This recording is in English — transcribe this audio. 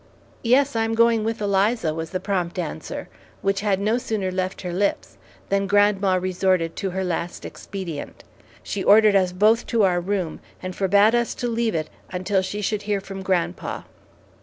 "Yes, I am going with Eliza," was the prompt answer, which had no sooner left her lips, than grandma resorted to her last expedient: she ordered us both to our room, and forbade us to leave it until she should hear from grandpa.